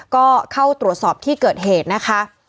ก็เข้าตรวจสอบที่เกิดเหตุนะคะ